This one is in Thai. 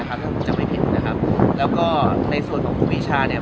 ถ้าไม่ผิดนะครับแล้วก็ในส่วนของคุณวิชาเนี่ย